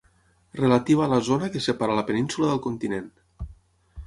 Relativa a la zona que separa la península del continent.